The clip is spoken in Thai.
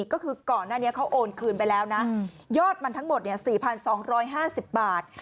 ก็คือก่อนหน้านี้เขาโอนคืนไปแล้วนะยอดมันทั้งหมด๔๒๕๐บาท